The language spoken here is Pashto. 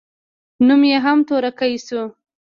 نوم يې هم تورکى سو.